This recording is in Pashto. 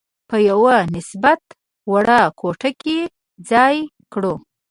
په یوه نسبتاً وړه کوټه کې ځای کړو.